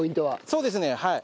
そうですねはい。